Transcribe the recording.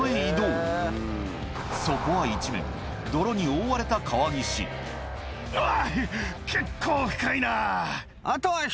そこは一面泥に覆われた川岸うわ！